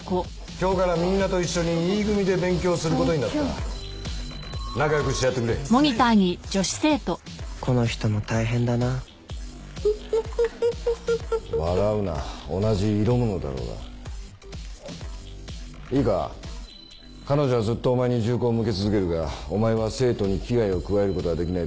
今日からみんなと一緒にＥ組で勉強することになった仲良くしてやってくれこの人も大変だなフフフフ笑うな同じイロモノだろうがいいか彼女はずっとお前に銃口を向け続けるがお前は生徒に危害を加えることはできない